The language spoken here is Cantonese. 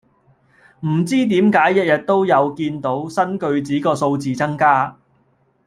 唔知點解日日都有見到新句子個數字增加